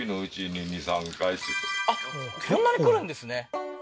そんなに来るんですね